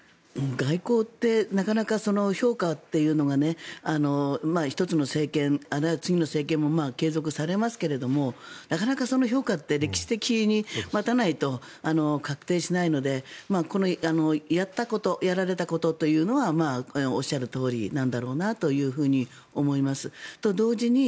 外交ってなかなか評価というのが１つの政権あるいは次の政権も継続されますけれどもなかなかその評価って歴史的に待たないと確定しないので、やったことやられたことというのはおっしゃるとおりなんだろうなと思います。